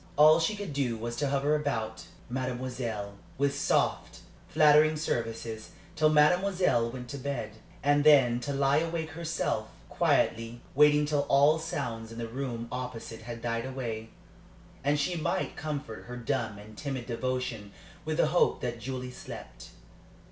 All she could do was to hover about "mademoiselle" with soft, flattering services, till mademoiselle went to bed, and then to lie awake herself, quietly waiting till all sounds in the room opposite had died away, and she might comfort her dumb and timid devotion with the hope that Julie slept.